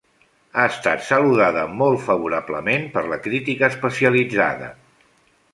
Ha estat saludada molt favorablement per la crítica especialitzada.